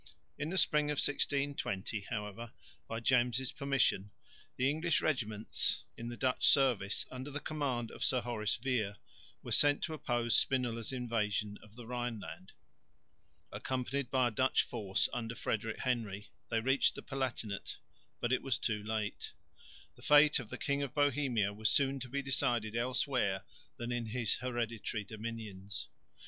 In the spring of 1620, however, by James' permission, the English regiments in the Dutch service under the command of Sir Horace Vere were sent to oppose Spinola's invasion of the Rhineland. Accompanied by a Dutch force under Frederick Henry, they reached the Palatinate, but it was too late. The fate of the King of Bohemia was soon to be decided elsewhere than in his hereditary dominions.